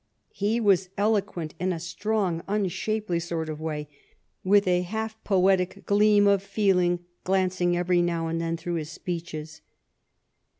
He was eloquent in a strong, unshapely sort of way, with a half poetic gleam of feeling glanc ing every now and then through his speeches.